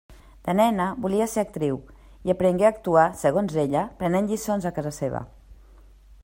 De nena volia ser actriu i aprengué actuar segons ella prenent lliçons a casa seva.